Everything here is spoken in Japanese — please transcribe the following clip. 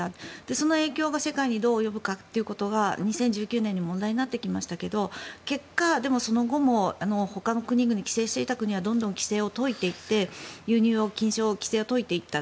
その影響が世界にどう及ぶかということが２０１９年に問題になってきましたが結果、でもその後もほかの国々、規制していた国はどんどん規制を解いていって輸入の禁止の規制を解いていった。